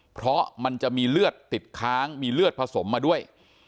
เพราะมันจะมีเลือดติดค้างมีเลือดผสมมาด้วย